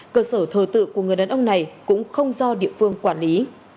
cơ sở thờ tự của người đàn ông này cũng không do địa phương quản lý